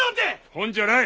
本じゃない！